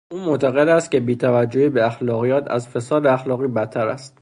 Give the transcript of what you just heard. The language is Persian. او معتقد است که بیتوجهی به اخلاقیات از فساد اخلاقی بدتر است.